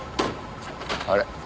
あれ？